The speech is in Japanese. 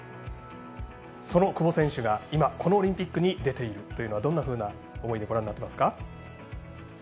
その久保選手が今このオリンピックに出ているというのはどんなふうな思いでご覧になってますか？